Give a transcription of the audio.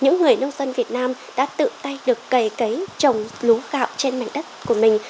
những người nông dân việt nam đã tự tay được cầy cấy trồng lúa gạo trên mảnh đất của mình